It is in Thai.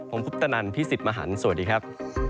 ผมคุปตนันพี่สิทธิ์มหันฯสวัสดีครับ